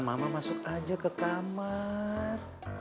mama masuk aja ke kamar